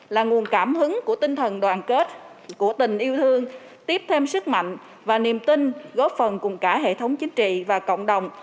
là nguồn cảm hứng của tinh thần đoàn kết của tình yêu thương tiếp thêm sức mạnh và niềm tin góp phần cùng cả hệ thống chính trị và cộng đồng